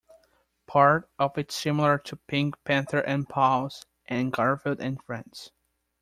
Part of it is similar to "Pink Panther and Pals" and "Garfield and Friends".